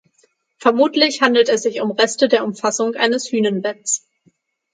Vermutlich handelt es sich um Reste der Umfassung eines Hünenbetts.